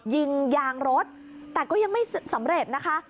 ยิงยางรถแต่ก็ยังไม่สำเร็จนะคะ